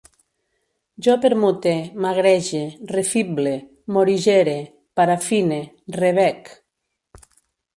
Jo permute, magrege, refible, morigere, parafine, rebec